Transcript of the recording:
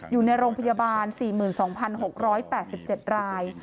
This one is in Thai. อยู่ในโรงพยาบาล๔๒๖๘๗ราย